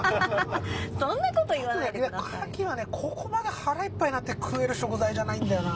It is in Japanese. ここまで腹イッパイになって食える食材じゃないんだよな。